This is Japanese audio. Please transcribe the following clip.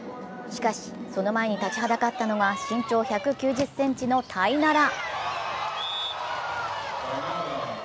しかし、その前に立ちはだかったのが身長１９０ｃｍのタイナラ。